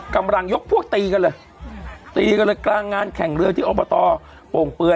กำลังยกพวกตีกันเลยตีกันเลยกลางงานแข่งเรือที่อบตโป่งเปลือ